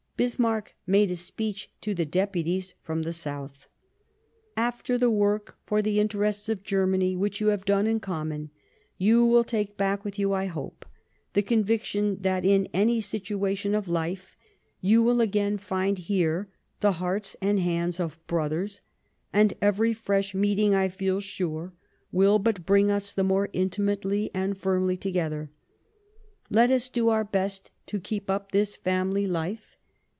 Bismarck made a speech to the Deputies from the South :'' After the work for the interests of Germany which you have done in common, you will take back with you, I hope, the conviction that, in any situation of life, you will again find here the hearts and hands of brothers ; and every fresh meeting, I feel sure, will but bring us the more intimately and firmly together. Let us do our best to keep up this family life.